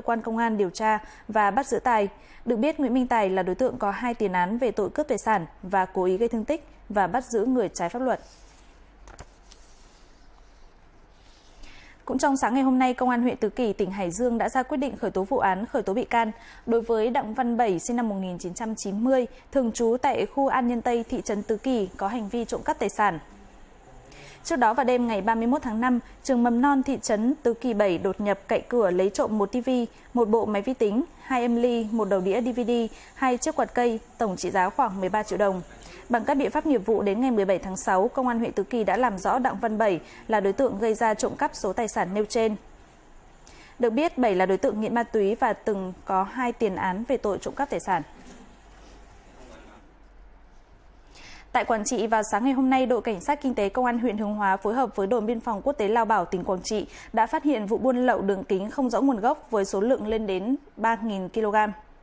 quảng trị vào sáng ngày hôm nay đội cảnh sát kinh tế công an huyện hương hóa phối hợp với đội biên phòng quốc tế lao bảo tỉnh quảng trị đã phát hiện vụ buôn lậu đường kính không rõ nguồn gốc với số lượng lên đến ba kg